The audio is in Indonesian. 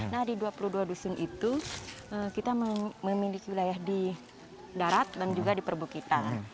nah di dua puluh dua dusun itu kita memiliki wilayah di darat dan juga di perbukitan